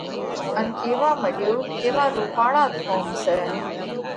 ان ڪيوا مڏيو: ڪيوا رُوپاۯا ڌوم سئہ۔